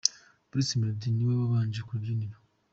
Bruce Melodie niwe wabanje ku rubyiniro.